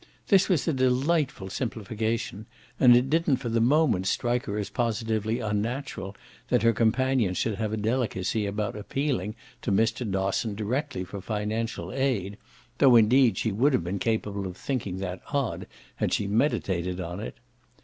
This was a delightful simplification and it didn't for the moment strike her as positively unnatural that her companion should have a delicacy about appealing to Mr. Dosson directly for financial aid, though indeed she would have been capable of thinking that odd had she meditated on it.